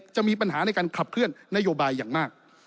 จะมีปัญหาในการขับเคลื่อนนโยบายอย่างมาก